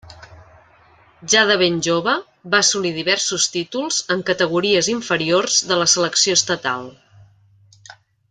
Ja de ben jove va assolir diversos títols en categories inferiors de la selecció estatal.